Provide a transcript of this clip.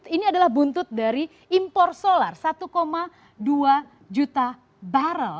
ini adalah buntut dari impor solar satu dua juta barrel